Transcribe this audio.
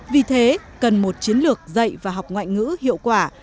vì thế cần một chiến lược dạy và học ngoại ngữ hiệu quả